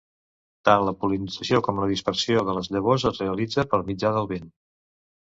Tant la pol·linització com la dispersió de les llavors es realitza per mitjà del vent.